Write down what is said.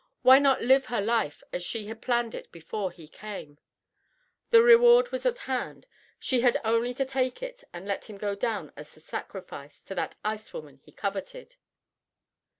Why not live her life as she had planned it before he came? The reward was at hand she had only to take it and let him go down as a sacrifice to that ice woman he coveted.